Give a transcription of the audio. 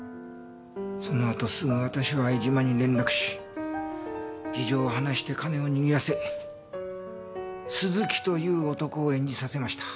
その後すぐ私は江島に連絡し事情を話して金を握らせ鈴木という男を演じさせました。